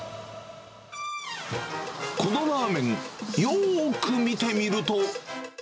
このラーメン、よーく見てみると。